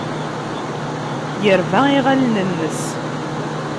Yerba iɣallen-nnes.